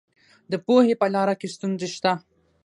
د پوهې په لاره کې ستونزې شته.